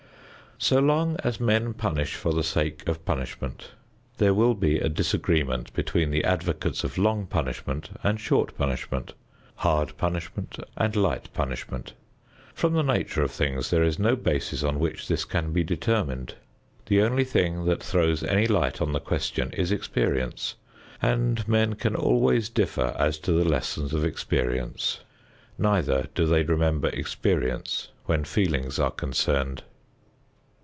So long as men punish for the sake of punishment, there will be a disagreement between the advocates of long punishment and short punishment, hard punishment and light punishment. From the nature of things, there is no basis on which this can be determined. The only thing that throws any light on the question is experience, and men can always differ as to the lessons of experience. Neither do they remember experience when feelings are concerned.